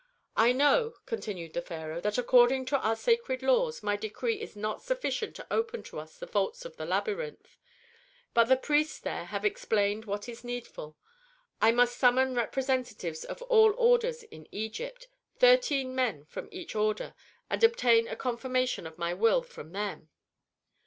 "I know," continued the pharaoh, "that according to our sacred laws my decree is not sufficient to open to us the vaults of the labyrinth. But the priests there have explained what is needful. I must summon representatives of all orders in Egypt, thirteen men from each order, and obtain a confirmation of my will from them."